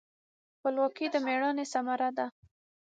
خپلواکي د میړانې ثمره ده.